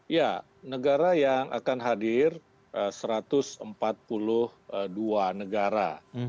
ya negara yang akan hadir satu ratus empat puluh dua negara